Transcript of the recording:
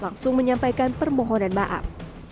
langsung menyampaikan permohonan maaf